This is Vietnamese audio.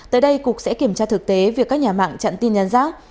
tới đây cục sẽ kiểm tra thực tế việc các nhà mạng chặn tin nhắn rác